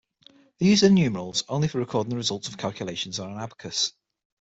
They used their numerals only for recording the results of calculations on an abacus.